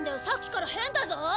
さっきから変だぞ。